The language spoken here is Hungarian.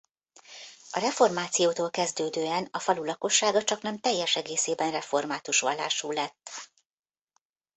A reformációtól kezdődően a falu lakossága csaknem teljes egészében református vallású lett.